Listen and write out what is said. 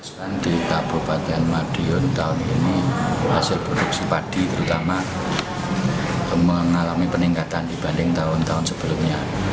pada bulan april ini meningkat menjadi delapan puluh dua empat ribu ton dari dua belas hektare luas lahan panen